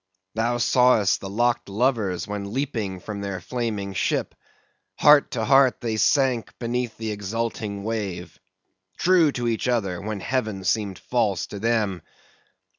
Thou saw'st the locked lovers when leaping from their flaming ship; heart to heart they sank beneath the exulting wave; true to each other, when heaven seemed false to them.